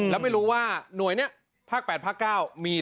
หาวหาวหาวหาวหาวหาวหาวหาวหาว